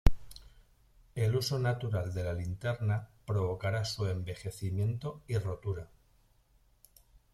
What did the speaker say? El uso natural de la linterna provocará su envejecimiento y rotura.